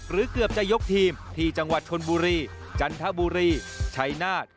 เกือบจะยกทีมที่จังหวัดชนบุรีจันทบุรีชัยนาธ